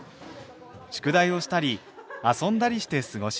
宿題をしたり遊んだりして過ごします。